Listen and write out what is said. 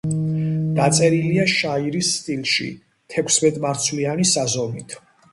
დაწერილია შაირის სტილში თექვსმეტმარცვლიანი საზომით